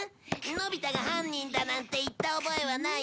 のび太が犯人だなんて言った覚えはないね。